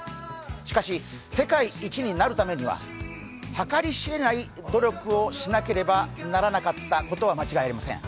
しかし、世界一になるためには、計り知れない努力をしなければならなかったことは間違いありません。